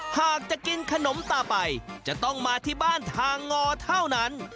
หากจะกินขนมตาไปจะต้องมาที่บ้านทางงอเท่านั้น